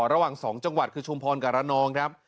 ระหว่าง๒จังหวัดคือชุมพรกับระนองครับ